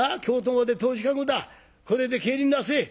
これで帰りなせえ」。